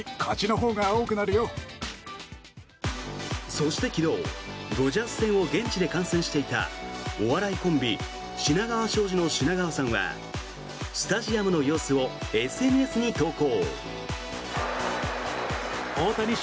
そして、昨日、ドジャース戦を現地で観戦していたお笑いコンビ、品川庄司の品川さんはスタジアムの様子をＳＮＳに投稿。